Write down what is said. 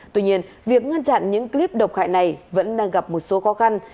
tuy nhiên việc ngăn chặn những clip độc hại này vẫn đang gặp một số khó khăn